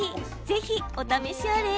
ぜひ、お試しあれ。